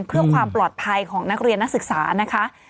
เพื่อความปลอดภัยของนักเรียนนักศึกษานะคะ